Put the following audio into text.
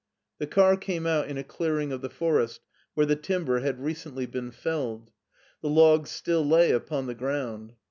The car came out in a clearing of the forest, where the timber had recently been felled. The logs still lay upon the ground.